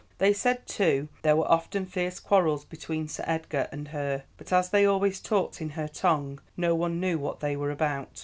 "They said, too, there were often fierce quarrels between Sir Edgar and her, but as they always talked in her tongue, no one knew what they were about.